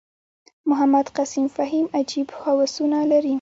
محمد قسیم فهیم عجیب هوسونه لري.